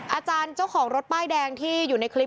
อาจารย์เจ้าของรถป้ายแดงที่อยู่ในคลิป